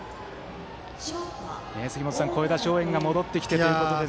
杉本さん、声出し応援が戻ってきてということで。